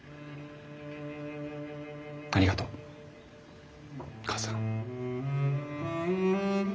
ありがとう母さん。